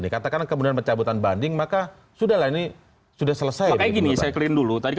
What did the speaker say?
ini katakan kemudian percabutan banding maka sudah lainnya sudah selesai ini seklin dulu tadi